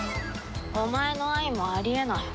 お前の愛もあり得ない。